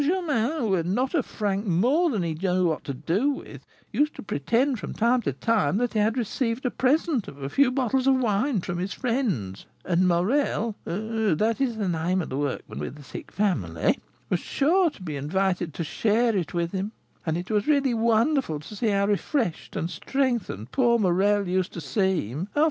Germain, who had not a franc more than he knew what to do with, used to pretend, from time to time, that he had received a present of a few bottles of wine from his friends; and Morel (that is the name of the workman with the sick family) was sure to be invited to share it with him; and it was really wonderful to see how refreshed and strengthened poor Morel used to seem after M.